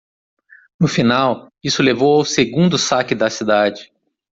No final, isso levou ao segundo saque da cidade.